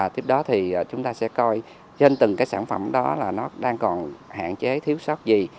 tiếp đó thì chúng ta sẽ coi trên từng cái sản phẩm đó là nó đang còn hạn chế thiếu sót gì